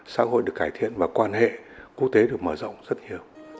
xã hội được cải thiện và quan hệ quốc tế được mở rộng rất nhiều